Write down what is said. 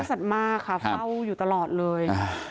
สัตว์มากค่ะเฝ้าอยู่ตลอดเลย